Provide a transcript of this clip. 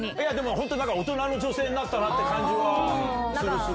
本当、なんか大人の女性になったなって感じはする、する。